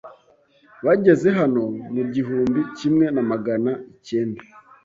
Bageze hano mu gihumbi kimwe namagana ikenda.